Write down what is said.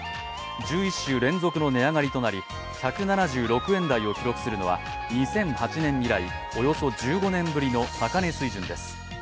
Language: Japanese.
１１週連続の値上がりとなり、１７６円台を記録するのは２００８年以来およそ１５年ぶりの高値水準です。